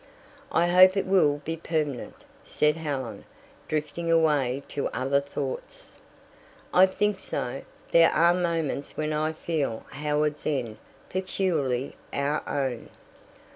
"I hope it will be permanent," said Helen, drifting away to other thoughts. "I think so. There are moments when I feel Howards End peculiarly our own."